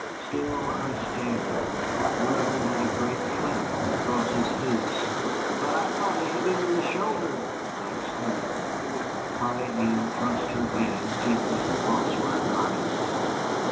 Still I stared. One of them had a great cleft across his face. "But I thought I hit him in the shoulder," I exclaimed. Polly Ann thrust her hand, gently, across my eyes.